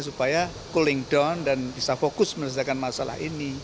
supaya cooling down dan bisa fokus menyelesaikan masalah ini